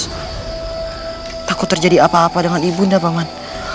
aku takut terjadi apa apa dengan ibu nda paman